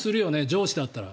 上司だったら。